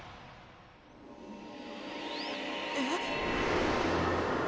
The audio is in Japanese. えっ？